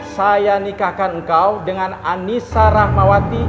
saya nikahkan engkau dengan anissa rahmawati